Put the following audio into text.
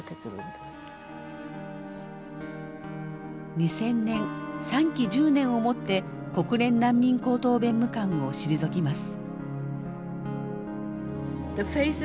２０００年３期１０年をもって国連難民高等弁務官を退きます。